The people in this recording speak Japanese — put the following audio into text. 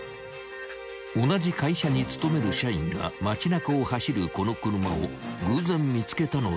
［同じ会社に勤める社員が街中を走るこの車を偶然見つけたのだという］